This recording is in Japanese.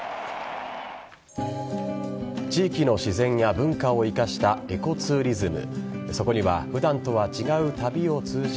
地域の自然や文化を生かしたエコツーリズム。